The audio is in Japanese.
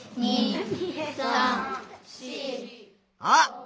あ！